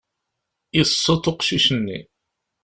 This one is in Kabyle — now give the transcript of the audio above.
Yesseḍ uqcic-nni.